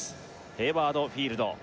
ヘイワード・フィールド